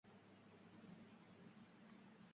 Davlat bank tizimidan chiqish o'rniga, u kuchaytirildi